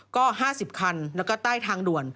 ก็๕๐คันแล้วก็ใต้ทางด่วน